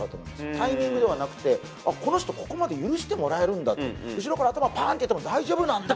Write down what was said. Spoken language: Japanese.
タイミングではなくてこの人ここまで許してもらえるんだと後ろから頭パーンってやっても大丈夫なんだ